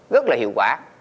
rất là hiệu quả